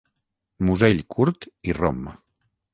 Musell curt i rom.